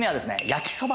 焼きそば！